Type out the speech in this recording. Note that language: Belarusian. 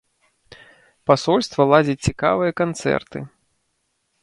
Пасольства ладзіць цікавыя канцэрты.